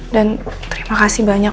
dan terima kasih banyak